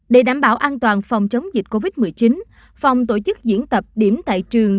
để đảm bảo an toàn phòng chống dịch covid một mươi chín phòng tổ chức diễn tập điểm tại trường